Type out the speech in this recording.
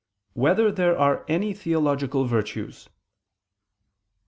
1] Whether There Are Any Theological Virtues?